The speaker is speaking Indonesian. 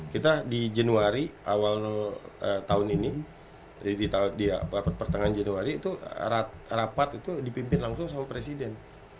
kita di januari awal tahun ini di pertengahan januari itu rapat itu dipimpin langsung sama presiden